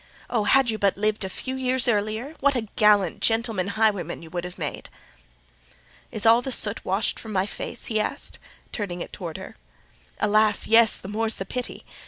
Oh, had you but lived a few years earlier, what a gallant gentleman highwayman you would have made!" "Is all the soot washed from my face?" he asked, turning it towards her. "Alas! yes: the more's the pity!